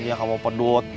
bisa aja kamu pedut